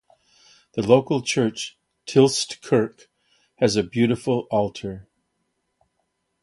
The local church, Tilst Kirke, has a beautiful altar.